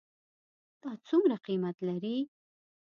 دا څومره قیمت لري ?